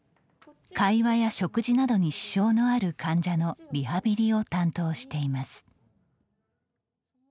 会話や食事などに支障のある患者のリハビリを担当しています。